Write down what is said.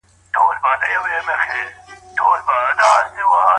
د پکتیکا د ګومل ولسوالۍ خلک له ډېورنډ فرضي کرښې سره اوسیږي.